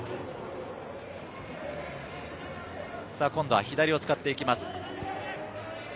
今度は左を使っていきます。